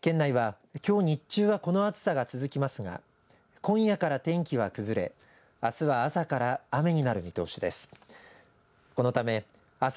県内は、きょう日中はこの暑さが続きますが今夜から天気は崩れあすは朝から雨になる見通しです。